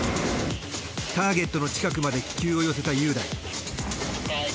ターゲットの近くまで気球を寄せた雄大。